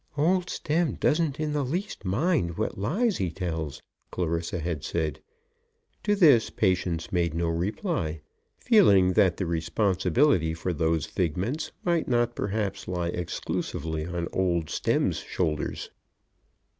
"Old Stemm doesn't in the least mind what lies he tells," Clarissa had said. To this Patience made no reply, feeling that the responsibility for those figments might not perhaps lie exclusively on old Stemm's shoulders.